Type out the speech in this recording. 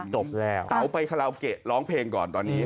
เต๋าไปคาลาวเกะร้องเพลงก่อนตอนนี้